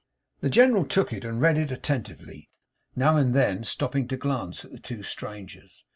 The General took it and read it attentively; now and then stopping to glance at the two strangers.